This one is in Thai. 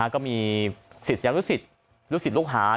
ก็มีศิษยาลุศิษฐ์ลูกหาทั้งในพื้นที่